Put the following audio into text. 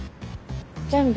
全部。